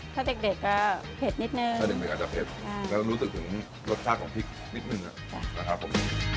ถ้าเด็กก็เผ็ดนิดนึงถ้าเด็กอาจจะเผ็ดแล้วรู้สึกถึงรสชาติของพริกนิดนึงนะครับผม